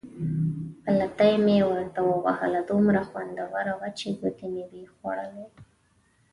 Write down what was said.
پلتۍ مې ورته ووهله، دومره خوندوره وه چې ګوتې مې وې خوړلې.